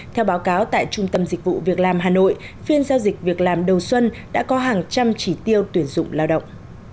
theo báo cáo tại trung tâm dịch vụ việc làm hà nội phiên giao dịch việc làm đầu xuân đã có hàng trăm chỉ tiêu tuyển dụng lao động